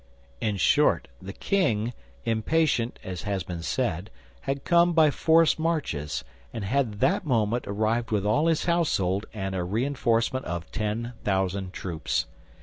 In short, the king, impatient, as has been said, had come by forced marches, and had that moment arrived with all his household and a reinforcement of ten thousand troops.